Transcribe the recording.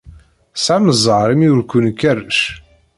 Tesɛam zzheṛ imi ur ken-ikerrec.